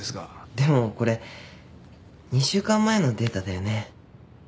でもこれ２週間前のデータだよね。